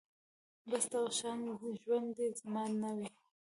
بس دغه شان ژوند دې زما نه وي